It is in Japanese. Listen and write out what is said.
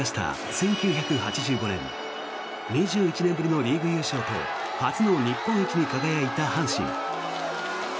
１９８５年２１年ぶりのリーグ優勝と初の日本一に輝いた阪神。